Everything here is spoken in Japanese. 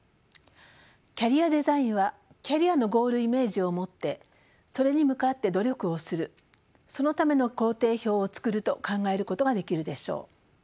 キャリアデザインはキャリアのゴールイメージを持ってそれに向かって努力をするそのための行程表を作ると考えることができるでしょう。